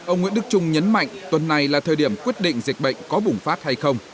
ông nguyễn đức trung nhấn mạnh tuần này là thời điểm quyết định dịch bệnh có bùng phát hay không